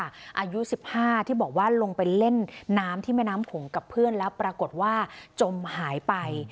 อายุ๑๕ที่บอกว่าลงไปเล่นน้ำที่แม่น้ำโขงกับเพื่อนแล้วปรากฏว่าจมหายไป